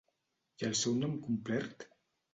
I el seu nom complert?